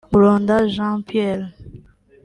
Mulonda Jean Pierre